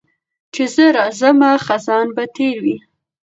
چي زه راځمه خزان به تېر وي